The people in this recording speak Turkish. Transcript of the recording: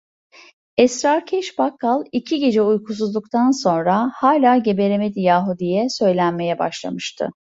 Esrarkeş bakkal iki gece uykusuzluktan sonra: "Hala geberemedi yahu!" diye söylenmeye başlamıştı.